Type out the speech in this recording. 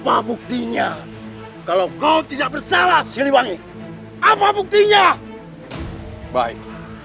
apa buktinya kalau kau tidak bersalah siliwangi apa buktinya baik